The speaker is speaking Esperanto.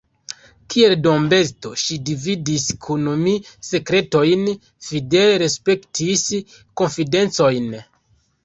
Kiel dombesto, ŝi dividis kun mi sekretojn, fidele respektis konfidencojn.